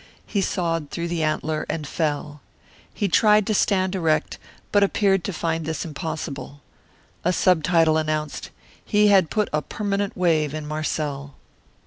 He sawed through the antler and fell. He tried to stand erect, but appeared to find this impossible. A subtitle announced: "He had put a permanent wave in Marcel."